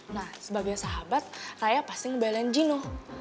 nah sebagai sahabat raya pasti ngebelen jino